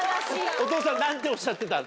お父さん何ておっしゃってたの？